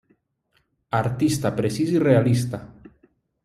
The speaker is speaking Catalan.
Artista precís i realista.